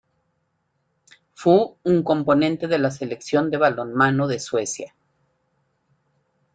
Fu un componente de la Selección de balonmano de Suecia.